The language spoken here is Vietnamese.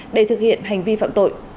để thực hiện hành vi phạm tội